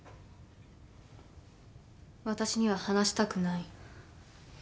私には話したくない？